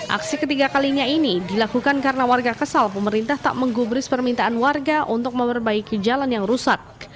aksi ketiga kalinya ini dilakukan karena warga kesal pemerintah tak menggubris permintaan warga untuk memperbaiki jalan yang rusak